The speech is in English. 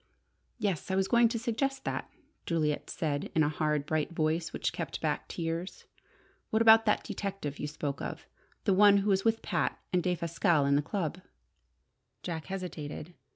"Yes, I was going to suggest that," Juliet said in a hard, bright voice which kept back tears. "What about that detective you spoke of the one who was with Pat and Defasquelle at the club?" Jack hesitated.